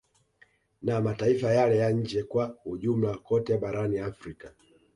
Na mataifa yale ya nje kwa ujumla kote barani Afrika